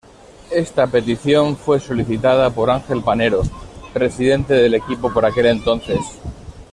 Esta petición fue solicitada por Ángel Panero, presidente del equipo por aquel entonces.